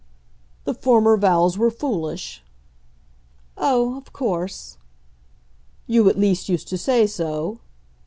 "The former vows were foolish." "Oh, of course." "You at least used to say so."